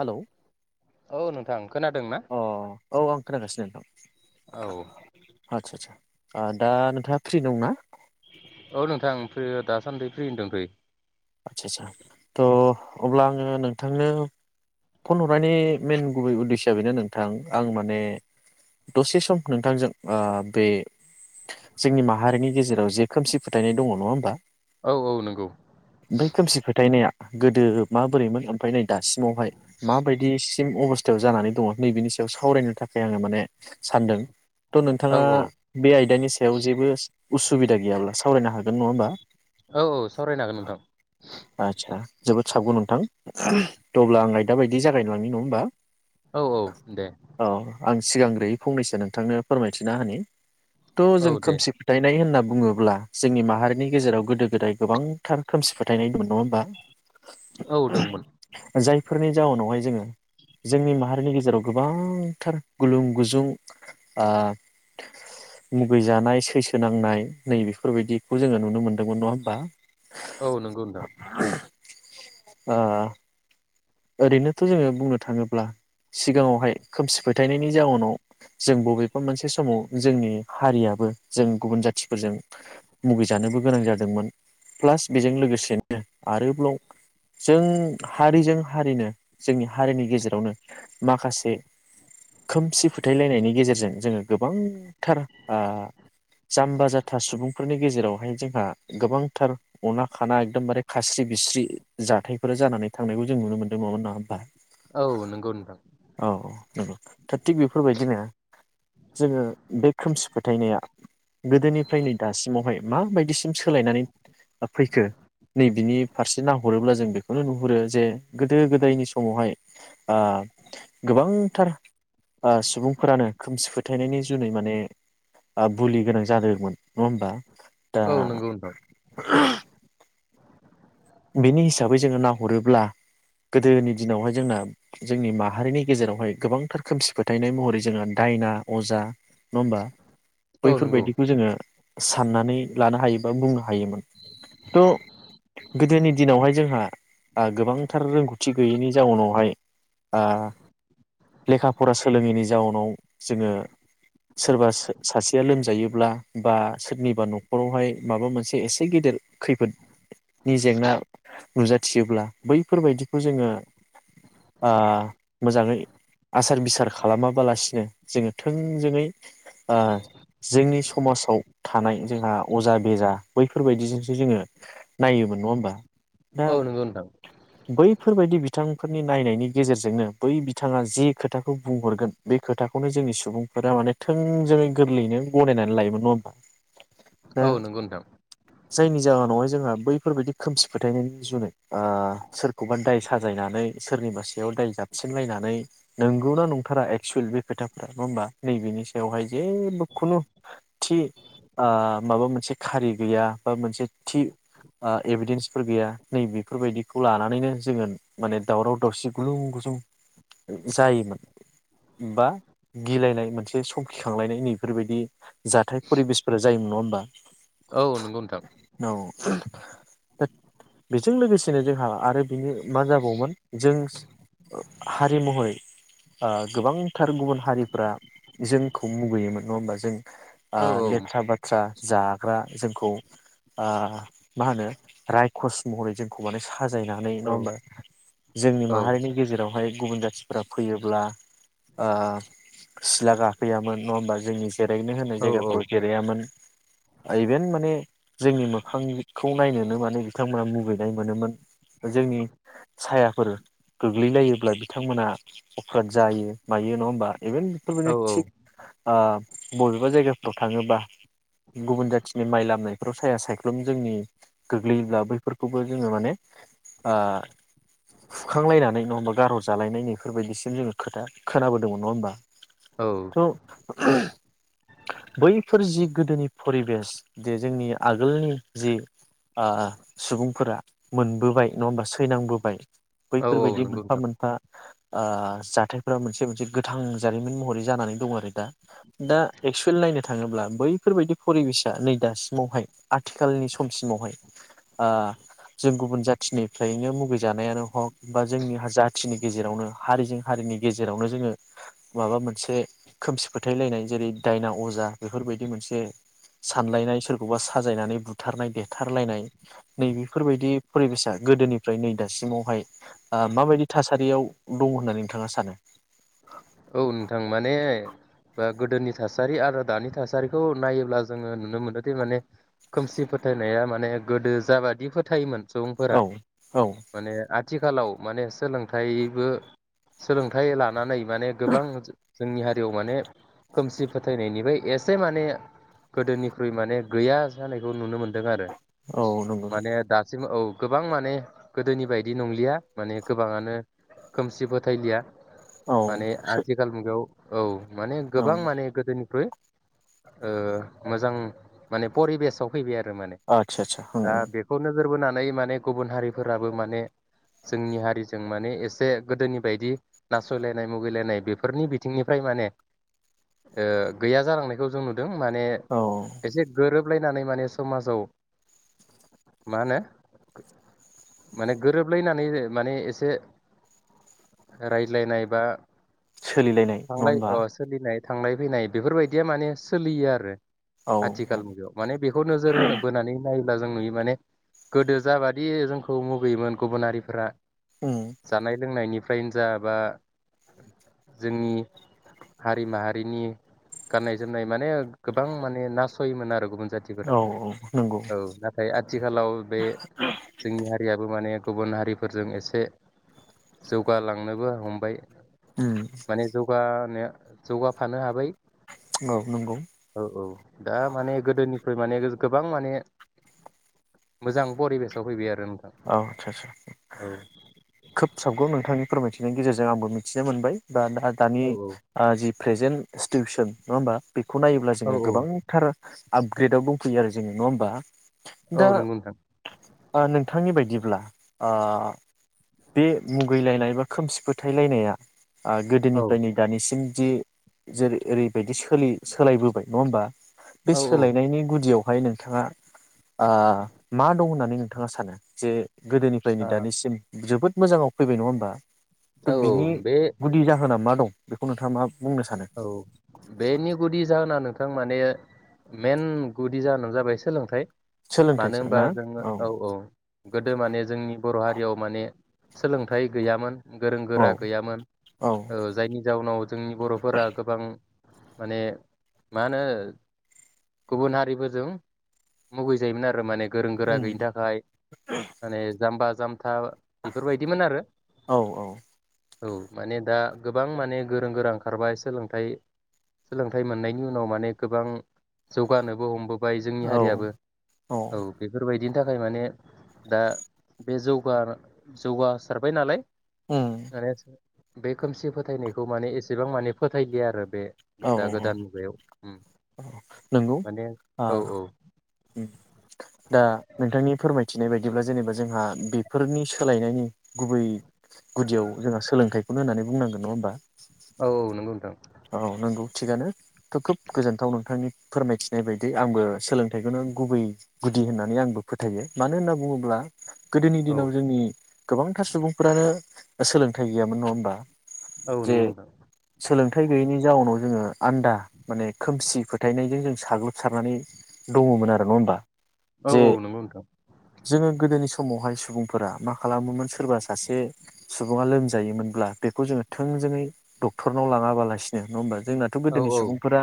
Hello औ नोंथां खोनादों ना? अ औ आं खोनागासिनो औ नोंथां आतसा आतसा दा नोंथाङा फ्रि दंना औ नोंथां फ्रि दासान्दि फ्रियैनो दोंथयो आदसा आसा थ' अब्ला आङो नोंथांनो फन हरनायनि मेन गुबै उद्देसया बेनो नोंथां आं माने दसे सम नोंथांजों ओ बे जोंनि माहारिनि गेजेराव जे खोमसि फोथायनाय दङ' नङा होमबा औ औ नंगौ बै खोमसि फोथायनाया गोदो माबोरैमोन ओमफ्राय नै दासिमावहाय माबायदिसिम अबस जानानै दङ' नैबेनि सायाव सावरायनो थाखाय आङो माने सानदों थ' औ नोंथाङा औ बे आयदानि सायाव जेबो उसुबिदा गैयाब्ला सावरायनो हागोन नङा होमबा औ औ सावरायनो हागोन नोंथां आदसा जोबोद साबगौ नोंथां थ' अब्ला आं आयदा बायदि जागायनो लांनि नङा होमबा औ औ दे औ आं सिगांग्रोयै फंनैसो नोंथांनो फोरमायथिना होनि थ' औ जों दे खोमसि फोथायनाय होनना बुङोब्ला जोंनि माहारिनि गेजेराव गोदो गोदाय गोबांथार खोमसि फोथायनाय दं नङा होमबा औ दंमोन बेफोरनि जाउनावहाय जोङो जोंनि माहारिनि गेजेराव गोबांथार गुलुं गुजुं ओ-मुगैजानाय सैसोनांनाय नै बेफोरबायदिखौ जोङो नुनो मोन नङा होमबा? [unintelligible] अ ओरैनोथ' जोङो बुंनो थाङोब्ला सिगाङावहाय खोमसि फोथायनायनि जाउनाव जों बबेबा मोनसे समाव जोंनि हारियाबो जों गुबुन जाथिफोरजों मुगैजानोबो गोनां जादोंमोन प्लास बेजों लोगोसेनो आरोबाव जों हारिजों। हारिनो जोंनि हारिनि गेजेरावनो माखासे खोमसि फोथायलायनायनि गेजेरजों जोङो गोबांथार ओ-जाम्बा जाथा सुबुंफोरनि गेजेरावहाय जोंहा गोबांथार अना खाना एकदमबारे खास्रि बिस्रि जाथायफोर जानानै थांनायबो। जों नुनो मोनदों माबा ना [unintelligible] औ नंगौ नोंथां नंगौ दा थिग बेफोरबायदिनो जोङो बे खोमसि फोथायनाया गोदोनिफ्राय नै दासिमावहाय माबायदिसिम सोलायनानै फैखो नै बिनि फारसे नाहरोब्ला जों बेखौनो नुहुरो जे। गोदो गोदायनि समावहाय ओ-गोबांथार ओ-सुबुंफोरानो खोमसि फोथायनायनि जुनै माने ओ-बुलि गोनां जादोंमोन नङा होमबा? दा औ नंगौ नोंथां। बेनि हिसाबै जोङो नाहरोब्ला गोदोनि दिनावहाय जोंना जोंनि माहारिनि गेजेरावहाय गोबांथार खोमसि फोथायनाय महरै जोङो दायना अजा नङा होमबा? औ नंगौ बैफोरबायदिखौ जोङो साननानै लानो हायो। बा बुंनो हायोमोन थ। गोदोनि दिनावहाय आ- जोंहा गोबांथार रोंगौथि गैयैनि जाउनावहाय आह आ- लेखा फरा सोलोङैनि जाउनाव जोङो सोरबा सासेया लोमजायोब्ला बा सोरनिबा नखरावहाय माबा मोनसे एसे गेदेर खैफोद। नि जेंना नुजाथियोब्ला बैफोरबायदिखौ जोङो आह मोजाङै आसार बिसार खालामाबालासिनो जोङो थोंजोङै आ- जोंनि समाजाव थानाय जोंहा अजा बेजा बैफोरबायदिजोंसो जोङो। नायोमोन नङा होमबा? दा औ नंगौ नोंथां बैफो फोरबायदि बिथांफोरनि नायनायनि गेजेरजोंनो बै बिथाङा जि खोथाखौ बुंहरगोन बे खोथाखौनो जोंनि सुबुंफोरा माने थोंजोङै गोरलैयैनो गनायनानै लायोमोन नङा होमबा? हो औ नंगौ नोंथां जायनि जाउनावहाय। जोंहा बैफोरबायदि खोमसि फोथायनायनि जुनै ओ-सोरखौबा दाय साजायनानै सोरनि सायाव दाय जाबसिनलायनानै नंगौना नंथारा एक्सुेलि बे खोथाफ्रा नङा होनबा नै बेनि सायाव जेबबो खुनु थि ओ- माबा मोनसे खारि गैया बा बा मोनसे थि ओ- एभिडेन्सफोर गैया नै बेफोरबायदिखौ लानानैनो जोङो माने दावराव दावसि गुलुं गुजुं जायोमोन बा गिलायनाय मोनसे सखिखांलायनाय नैफोरबायदि जाथाय फरिबेसफोरा जायोमोन नङा होमबा? औ नंगौ नोथां। औ दा बेजों लोगोसेनो जोंहा आरो बिनि मा जाबावोमोन जों हारि मुहरै ओ- गोबांथार गुबुन हारिफ्रा जोंखौ मुगैयोमोन नङा हबा जों औ ओ- लेथ्रा बाथ्रा जाग्रा जोंखौ ओह- मा होनो रायखस महरै जोंखौ माने साजायनानै औ नङा होमबा जोंनि औ माहारिनि गेजेरावहाय गुबुन जाथिफ फैयोब्ला ओ-सिला गाखोयामोन नङा होमबा जोंनि जिरायनो होनाय औ जायगाफ्राव जेलाययामोन इभेन माने जोंनि मोखां - खौ नायनोनो मे बिथांमोना मुगैनाय मोनोमोन जोंनि सायाफोर गोग्लैलायोब्ला बिथांमोना अप्राद जायो मायो नङा होमबा इभेन बेफोरबायदिनो थिग ओ- बबेबा जायगाफ्राव थाङोबा गुबुन जाथिनि माइ लामनायफ्राव साया सायख्लुम जोंनि- गोग्लैयोब्ला बैफोरखौबो जोङो माने ओ- हुखांलायनानै नङा होमबा गारहर जालायनाय नैफोरबायदिसिम जोङो खोथा खोनाबोदोंमोन नङा होमबा औ थ बैफोर जि गोदोनि परिबेस जे जोंनि आगोलनि जि ओ सुबुंफोर मोनबोबाय नङा होनबा सैनाबोबाय औ औ बैफोरबादि नंगौ नोंथां मोनफा मोनफा ओ- जाथायफ्रा मोनसे मोनसे गोथां जारिमिन महरै जानानै दं आरो दा। दा एक्सुएल नायनो थाङोब्ला बैफोर बादि फरिबेसा नै दासिमावहाय आथिखालनि स समसिमनि ओ- जों गुबुन जाथिनिफ्रायनो मुगैजानायानो हग बा जोंनि जाथिनि गेजेरावनो हारिजों हारिनि गेजेरावनो जोंहा माबा मोनसे खोमसि फोथारलायनाय जेरै दायना अजा बेफोरबादि मोनसे सानलायनाय सोरखौबा साजायनानै बु थारनाय देथारलायनाय नै बेफोरबायदि फरिबेसा गोदोनिफ्राय नै दासिमावहाय ओ- माबादि थासारियाव दं होननानै नोंथाङा सानो? औ नोंथां माने बा गोदोनि थासारि आरो दानि थासारिखौ नायोब्ला जोङो नुनो मोनोदि माने खोमसि फोथायनाया माने गोदो जाबादि फोथायोमोन। सुबुंफोरा औ औ माने आथ थिखालाव माने सोलोंथायबो सोलोंथाइ लानानै मान गोबां जोंनि हारियाव माने खोमसि फोथायनायनिफ्राय एसे माने गोदोनिख्रुइ माने गैया जानायखौ नुनो मोन दों आरो औ नंगौ माने दासिम औ। गोबां माने गोदोनि बायदि नंलिया माने गोबाङानो खोमसि फोथायलिया औ माने आथिखाल मुगायाव औ माने औ गोबां माने गोदोनिरख्रुइ ओ मोजां माने परिबेसाव फैबाय आरो माने आतसा सा दा उम बेखौ नोजोर बोनानै माने गुबुन हारिफोराबो माने जोंनि हारिजों माने एसे गोदोनि बायदि नासयलायनाय मुगैलायनाय। बेफोरनि बिथिंनिफ्राय माने दों माने औ एसे गोरोब लायनानै माने समाजाव सोलि थांनाय फैनाय बेफोरबायदिया माने औ आथिखाल औ मुगायाव माने बेखौ नोजोर होनो बोनानै नाय दा जों नुयो माने गोदो जाबादि जोंखौ मुगैयोमोन गुबुन हारिफोरा उम जानाय लोंनायनि फ्रायनो जाबा जोंनि हारि माहारिनि गाननाय जोमनाय माने गोबां माने नासयोमोन आरो गुबुन जाथि जाथिफोरा औ औ नंगौ औ नाथाय आथिखालाव बे जोंनि हारियाबो माने गुबुन हारिफोरजों एसे जौगालांनोबो हमबाय। उम माने जौगानो जौगाफानो हाबाय। औ नंगौ औ औ दा माने गोदोनिफ्राय माने गोबां माने मोजां परिबेसाव फैबाय आरो नोंथां औ आदसा आदसा औ खोब साबगौ नोंथांनि फोरमायथिनायनि गेजेरजों जों आंबो मिथिनो मोनबाय बा दा-दानि औ आ जि प्रेजेन्ट सिटिउसन नङा होमबा? बेखौ नायोब्ला जोङो औ औ गोबांथार आपग्रेडाव दंफैयो आरो जोङो नङा होमबा? औ दा नंगौ नोंथां आ‌ नों नोथांनि बायदिब्ला ओ बे मुगैलायनाय बा खोमसि फोथायलायनाया आ औ गोदोनिफ्राय नै दानिसिम दि जेरै ओरैबायदि सोलि सोलायबोबाय नङा होमबा? बे औ ओ सोलायनायनि गुदियाव हाय नोंथाङा आ मा दं होननानै नोंथाङा सानो? जे गोदोनिफ्रायनो दानिसिम जोबोद मोजाङाव फैबाय नङा होमबा? थ' औ बिनि बे गुदि जाहोना मा? औ बेखौ नोंथाङा मा बुंनो सानो औ बेनि गुदि जाहोनानो बिथां माने मेन गुदि जाहोनानो जाबाय सोलोंथाइ सोलोंथाइ मानो स होनबा ना जोङो औ गोदो माने जोंनि बर' हारियाव माने सोलोंथाइ गैयामोन। गोरों औ गोरा गैयामोन औ ओ जायनि जाउनाव जोंनि बर' फोरा गोबां माने मा होनो गुबुन हारिफोरजों मुगैजायोमोन आरो माने गोरों गोरा उम गैयिनि थाखाय माने जाम्बा [unintelligible] बेफोरबायदिमोन आरो औ औ औ माने दा गोबां माने गोरों गोरां खारबाय सोलोंथाइ सोलोंथाइ मोननायनि उनाव माने गोबां जौगानोबो हमबो बाय जोंनि औ हारियाबो औ बेफोरबायदि बिनि थाखाय माने दा बे जौगा जौगासारबाय नालाय उम आरो बे खोमसि फोथायनायखौ माने ए सेबां माने फोथायलिया आरो बे औ दा औ गोदान मुगायाव उम नंगौ माने आ औ औ दा नोंथांनि फोरमाय मिथिनाय बायदिब्ला जेनेबा जोंहा बेफोरनि सोलायनायनि गुबै गुदियाव जोंहा सोलोंथाइखौनो होननानै बुंनांगोन नङा होनबा? औ औ नोंगौ नोंथां औ नंगौ थिगानो थ' खोब गोजोनथाव नोंथांनि फोरमायथिनाय बायदि आंबो सोलोंथाइखौनो गुबै गुदि होननानै आंबो फोथायो मानो होनना बुङोब्ला गोदोनि औ दिनाव जोंनि गोबांथार सुबुंफोरानो सोलोंथाइ गैयामोन नङा होमबा? औ नोंगौ जे नोंथां सोलोंथाइ गैयैनि जाउनाव जोङो आन्दा माने खोमसि फोथायनायजों जों साग्लोबसारनानै दङमोन आरो नङा ओमबा औ जे औ नंगौ नोंथां जोङो गोदोनि समावहाय सुबुंफोरा मा खालामोमोन सोरबा सासे सुबुङा लोमजायोमोनब्ला बेखौ जोङो थोंजोङै डक्टरनाव लाङाबाला बासिनो नङा ओमबा? जोंनाथ' औ गोदोनि औ सुबुंफोरा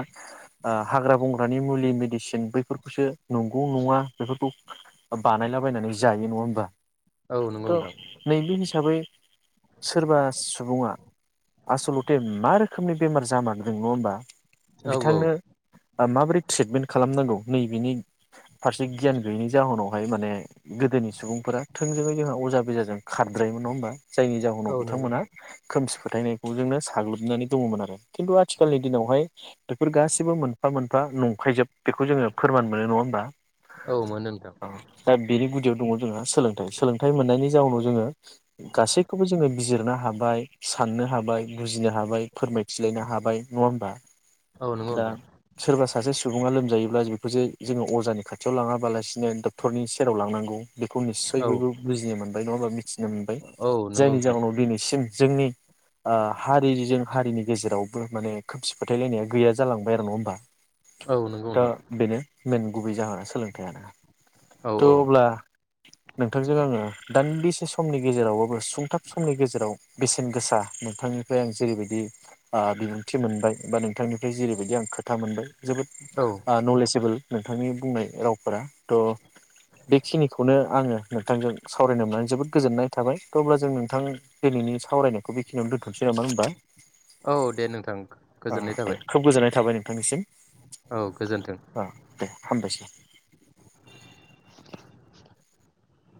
ओ हाग्रा बंग्रानि मुलि मेडिसिन बैफोरखौसो नंगौ नङा बेफोरखौ बानायलाबायनानै जायो नङा ओमबा? औ नंगौ थ' नोंथां नैबे हिसाबै सोरबा सुबुङा आसल'थे मा रोख खोमनि बेमार जामारदों नङा होमबा? औ औ बिथांनो माबोरै ट्रिटमेन्ट खालामनांगौ नैबेनि फारसे गियान गैयैनि जाहोनावहाय माने गोदोनि सुबुंफोरा थोंजोङै जोंहा अजा बेजाजों खारद्रायोमोन नङा होमबा? जायनि जाहोनाव औ नंगौ बिथांमोना नोंथां खोमसि फ फोथायनायखौ जोंनो साग्लोबनानै दङमोन आरो खिन्थु आथिखालनि दिनावहाय बेफोर गासिबो मोनफा मोनफा नंखायजोब बेखौ जोङो फोरमान मोनो नङा होमबा? औ मोनो नोंथां औ दा बिनि गुदियाव दङ जोंहा सोलोंथाइ सोलोंथाइ मोननायनि जाउनाव जोङो गासैखौबो जोङो बिजिरनो हाबाय साननो हाबाय बुजिनो हाबाय। फोरमायथिलायनो हाबाय नङा होमबा? औ नंगौ दा नोंथां सोरबा सो सासे सुबुङा लोमजायोब्ला [unintelligible] जे जोङो अजानि खाथियाव लाङाबालासिनो डक्टरनि सेराव लांनांगौ बेखौ निस्सय औ बयबो बुजियोमोन। [unintelligible] [unintelligible] मोनबाय औ नंगौ जायनि नोंथां जाहोनाव दिनैसिम जोंनि आ हारिजों हारिनि गेजेराव बो माने खोमसि फोथायलायनाया गैया ज जालांबाय आरो नङा होमबा? औ नोंगौ दा नोंथां। बेनो मेन गुबै जाहोना सोलोंथाइआनो। औ त अब्ला नोंथांजों आङो दानि बेसे समनि गेजेरावबाबो सुंथाब समनि गेजेराव बेसेन गोसा नोंथांनिफ्राय आं जेरैबायदि ओ बिबुंथि मोनबाय बा नोंथांनिफ्राय जेरैबायदि आं खोथा मोनबाय जोबोद औ ओ नलेजएबोल। नोंथांनि बुंनाय रावफोरा त बेखिनिखौनो आङो नोंथांजों सावरायनो मोननानै जोबोद गोजोननाय थाबाय त अब्ला जों नोंथां दिनैनि सावरायनायखौ बेखिनियावनो दोन्थ'नोसै नामा [unintelligible] औ दे नोंथां ओ गोजोननाय दे थाबाय। खोब [unintelligible] औ गोजोन्थों ओ दे हामबायसै [inaudible]